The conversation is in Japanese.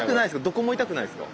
どこも痛くないですか？